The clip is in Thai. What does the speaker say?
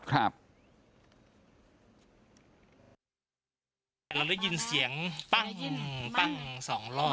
เราได้ยินเสียงปั้งสองรอบ